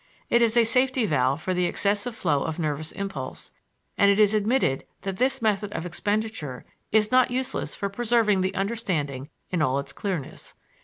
It is a safety valve for the excessive flow of nervous impulse, and it is admitted that this method of expenditure is not useless for preserving the understanding in all its clearness.